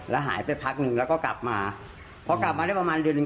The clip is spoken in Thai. แล้วหายไปพักหนึ่งแล้วก็กลับมาพอกลับมาได้ประมาณเดือนหนึ่ง